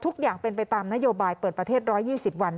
ทุกอย่างเป็นไปตามนโยบายเปิดประเทศ๑๒๐วัน